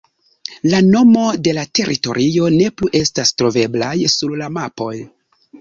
La nomo de la teritorio ne plu estas troveblaj sur la mapoj.